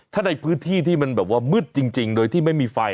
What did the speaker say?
ถ้าในพื้นที่ที่มันแบบว่ามืดจริงโดยที่ไม่มีไฟ